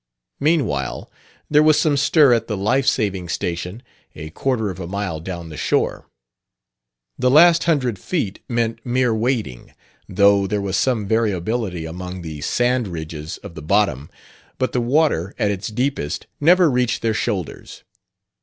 Meanwhile, there was some stir at the life saving station, a quarter of a mile down the shore. The last hundred feet meant mere wading, though there was some variability among the sand ridges of the bottom; but the water, at its deepest, never reached their shoulders.